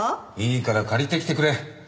いいから借りてきてくれ。